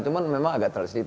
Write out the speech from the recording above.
cuma memang agak terlalu sedikit